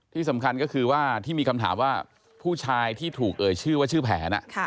ที่สำคัญก็คือว่าที่มีคำถามว่าผู้ชายที่ถูกเอ่ยชื่อว่าชื่อแผน